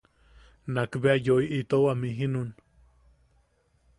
Nakbea yoi itou amjijinun.